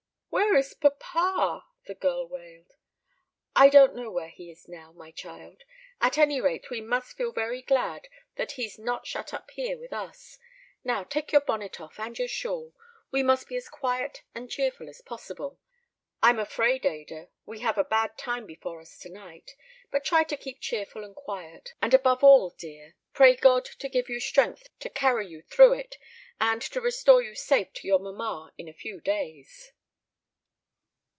"Where is papa?" the girl wailed. "I don't know where he is now, my child. At any rate we must feel very glad that he's not shut up here with us. Now take your bonnet off and your shawl. We must be as quiet and cheerful as possible. I'm afraid, Ada, we have a bad time before us to night. But try to keep cheerful and quiet, and above all, dear, pray God to give you strength to carry you through it, and to restore you safe to your mamma in a few days."